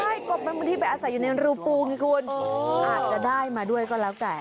บันทึกบมาที่ไปอาศัยยุเนียนรูปูคุณอ่ออาจจะได้มาด้วยก็แล้วแต่